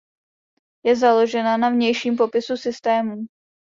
Je založena na vnějším popisu systémů.